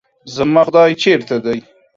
زما خداے چرته دے؟